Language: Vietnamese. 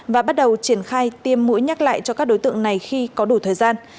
và bắt đầu triển khai tiêm mũi nhắc lại cho các đối tượng này khi có đủ thời gian